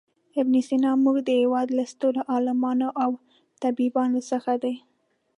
ابن سینا زموږ د هېواد له سترو عالمانو او طبیبانو څخه دی.